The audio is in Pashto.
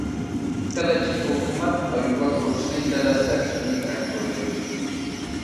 کله چې حکومت او یوه کوچنۍ ډله سرچینې کنټرولوي